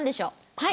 はい。